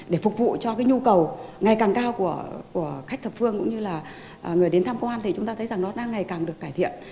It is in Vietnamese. để phục vụ cho cái nhu cầu ngày càng cao của khách thập phương cũng như là người đến tham quan thì chúng ta thấy rằng nó đang ngày càng được cải thiện